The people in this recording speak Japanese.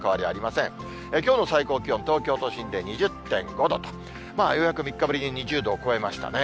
きょうの最高気温、東京都心で２０．５度と、ようやく３日ぶりに２０度を超えましたね。